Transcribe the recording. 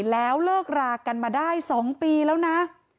แล้วเลิกรากันมาได้๒ปีแล้วนะ